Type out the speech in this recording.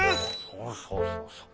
そうそうそうそう。